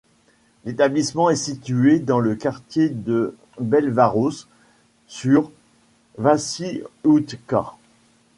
L'établissement est situé dans le quartier de Belváros sur Váci utca.